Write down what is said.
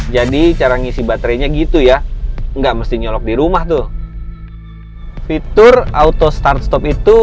cara ngisi baterainya gitu ya enggak mesti nyolok di rumah tuh fitur auto start stop itu